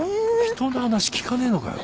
人の話聞かねえのかよ。